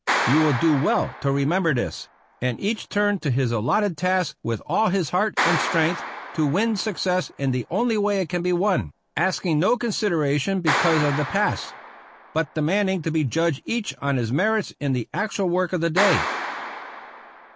You will do well to remember this; and each turn to his allotted task with all his heart and strength, to win success in the only way it can be won, asking no consider ation because of the past, but demanding to be judged each on his merits in the actual work of the day.